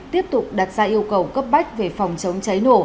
tiếp tục đặt ra yêu cầu cấp bách về phòng chống cháy nổ